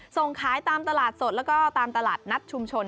ส่งขายตามตลาดสดแล้วก็ตามตลาดนัดชุมชน